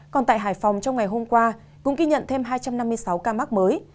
còn tại hải phòng trong ngày hôm qua cũng ghi nhận thêm hai trăm năm mươi sáu ca mắc mới